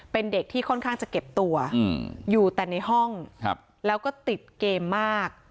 เป็นเด็กที่ค่อนข้างจะเก็บตัวอยู่แต่ในห้องแล้วก็ติดเกมมาก